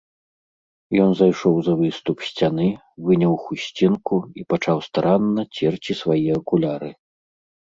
Ён зайшоў за выступ сцяны, выняў хусцінку і пачаў старанна церці свае акуляры.